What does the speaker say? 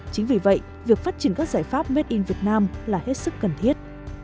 chính vì vậy việc phát triển các giải pháp made in việt nam là hết sức cần thiết